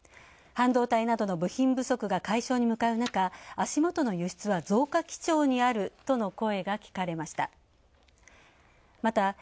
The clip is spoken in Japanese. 反動対などの部品不足解解消に向かうなか、足元の輸出は増加傾向にあるとの声が聞かれました。